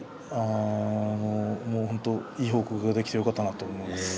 本当にいい報告ができてよかったなと思います。